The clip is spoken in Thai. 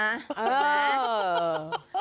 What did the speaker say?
เออ